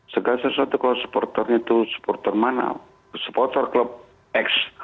segala sesuatu kalau supporternya itu supporter mana supporter klub x